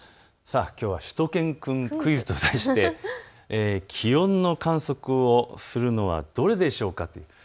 きょうはしゅと犬くんクイズと題して気温を観測するのはどれでしょうかという。